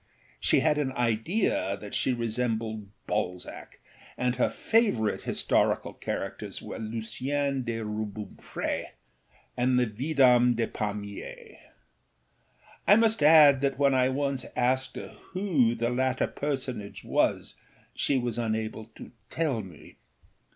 She had an idea that she resembled Balzac, and her favourite historical characters were Lucien de Rubempré and the Vidame de Pamiers. I must add that when I once asked her who the latter personage was she was unable to tell me.